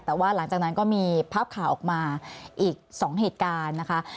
แต่ว่าหลังจากนั้นก็มีภาพข่าวออกมาอีก๒เหตุการณ์นะคะ